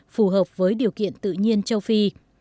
phù hợp với điều kiện tự nhiên châu phi